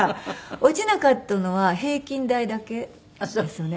落ちなかったのは平均台だけですね。